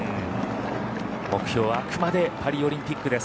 目標はあくまでパリオリンピックです。